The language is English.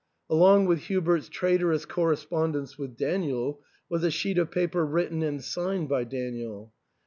Along with Hubert's traitorous correspondence with Daniel was a sheet of paper written and signed by Daniel.